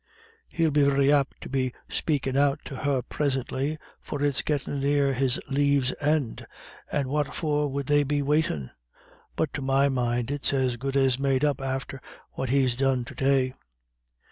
He'll be very apt to be spakin' out to her prisintly, for it's gettin' near his lave's ind, and what for would they be waitin'? But to my mind it's as good as made up after what he's done to day."